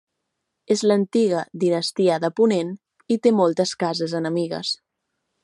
És l'Antiga Dinastia de Ponent i té moltes cases enemigues.